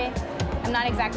saya tidak benar benar yakin